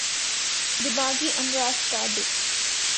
دماغی امراض کا ب